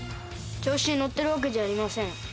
調子に乗ってるわけじゃありません。